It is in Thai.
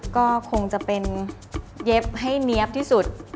ก็คงจะเป็นเย็บให้เนี๊ยบที่สุด